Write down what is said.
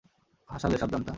হাসালে, সবজান্তা।